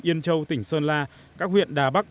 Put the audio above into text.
yên châu tỉnh sơn la các huyện đà bắc